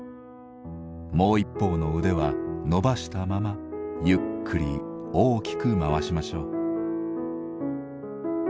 もう一方の腕は伸ばしたままゆっくり大きくまわしましょう。